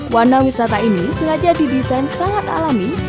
warna wisata ini sengaja didesain sangat alami